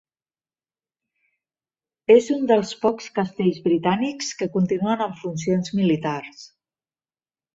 És un dels pocs castells britànics que continuen amb funcions militars.